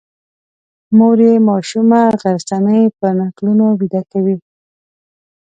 مور یې ماشومه غرڅنۍ په نکلونو ویده کوي.